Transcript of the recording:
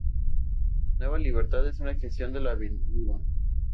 Nueva Libertad es una extensión de la Av.